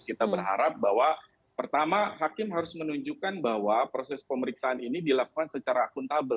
kita berharap bahwa pertama hakim harus menunjukkan bahwa proses pemeriksaan ini dilakukan secara akuntabel